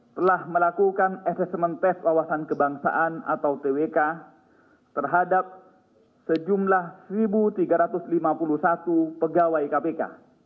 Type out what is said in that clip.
telah melakukan asesmen tes wawasan kebangsaan atau twk terhadap sejumlah satu tiga ratus lima puluh satu pegawai kpk